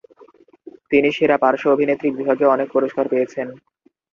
তিনি "সেরা পার্শ্ব অভিনেত্রী" বিভাগে অনেক পুরস্কার পেয়েছেন।